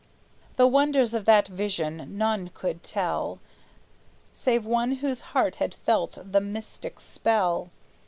The wonders of that vision none could tell Save one whose heart had felt the mystic spell.